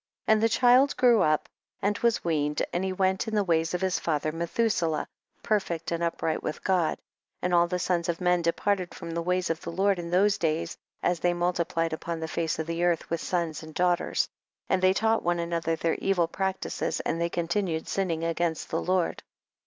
15. And the child grew up and was weaned, and he went in the ways of his father Methuselah, per fect and upright with God. 16. And all the sons of men depar ted from the ways of the Lord in those days as they multiplied upon the face of the eartii with sons and daughters, and they taught one another their evil practices, and they continued sinning against the Lord.